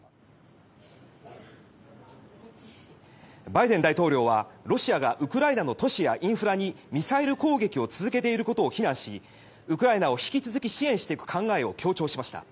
バイデン大統領は、ロシアがウクライナの都市やインフラにミサイル攻撃を続けていることを非難しウクライナを引き続き支援していく考えを強調しました。